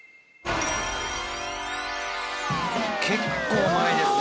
結構前ですね。